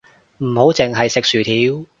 唔好淨係食薯條